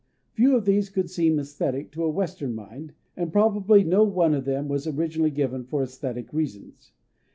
Few of these could seem æsthetic to a Western mind; and probably no one of them was originally given for æsthetic reasons.